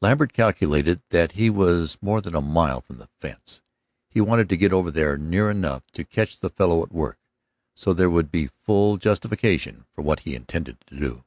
Lambert calculated that he was more than a mile from the fence. He wanted to get over there near enough to catch the fellow at work, so there would be full justification for what he intended to do.